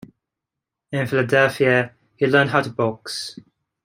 In Philadelphia, he learned how to box.